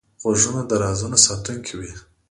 غوږونه د رازونو ساتونکی وي